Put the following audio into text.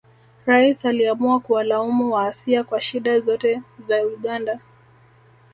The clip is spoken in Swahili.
Rais aliamua kuwalaumu Waasia kwa shida zote za Uganda